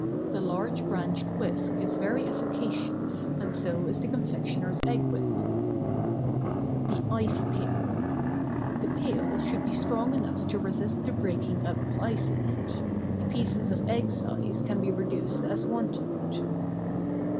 The large branched whisk is very efficacious, and so is the confectioners' egg whip. ICE CREAM MAKING UTENSILS , ETC. ? THE ICE PAIL. The pail should be strong enough to resist the breaking up of ice in it. The pieces of egg size can be reduced as wanted.